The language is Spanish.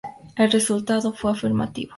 El resultado fue afirmativo.